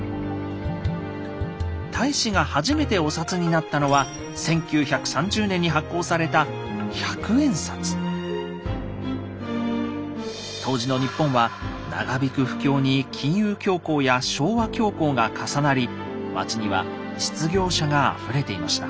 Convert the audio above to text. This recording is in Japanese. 太子が初めてお札になったのは当時の日本は長引く不況に金融恐慌や昭和恐慌が重なり街には失業者があふれていました。